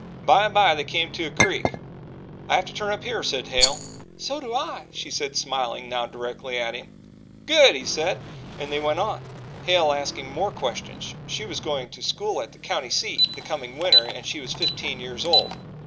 By and by they came to a creek. "I have to turn up here," said Hale. "So do I," she said, smiling now directly at him. "Good!" he said, and they went on Hale asking more questions. She was going to school at the county seat the coming winter and she was fifteen years old.